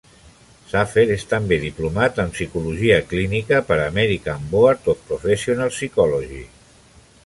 Safer és també Diplomat en Psicologia Clínica, per American Board of Professional Psychology.